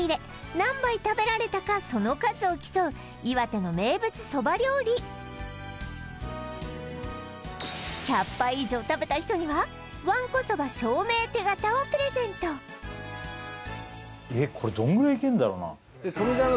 何杯食べられたかその数を競う岩手の名物そば料理１００杯以上食べた人にはわんこそば証明手形をプレゼントえっこれどんぐらいいけんだろうな？